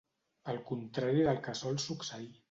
Al contrari del que sol succeir